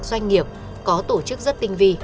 doanh nghiệp có tổ chức rất tinh vi